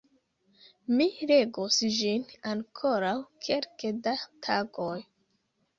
Mi legos ĝin ankoraŭ kelke da tagoj.